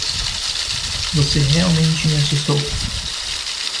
Você realmente me assustou.